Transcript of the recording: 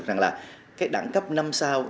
rằng đẳng cấp năm sao